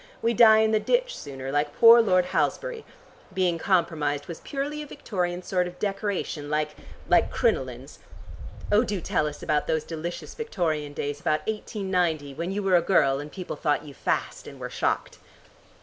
We die in the ditch sooner, like poor Lord Halsbury. Being compromised was purely a Victorian sort of decoration like like crinolines. Oh, do tell us about those delicious Victorian days about 1890 when you were a girl and people thought you fast and were shocked."